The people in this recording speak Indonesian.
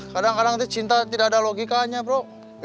kadang kadang itu cinta tidak ada logikanya bro